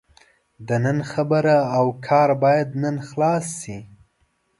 د نن خبره او کار باید نن خلاص شي.